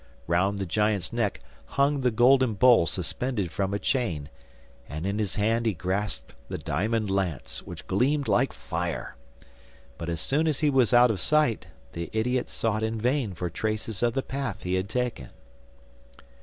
Round the giant's neck hung the golden bowl suspended from a chain, and in his hand he grasped the diamond lance, which gleamed like fire. But as soon as he was out of sight the idiot sought in vain for traces of the path he had taken.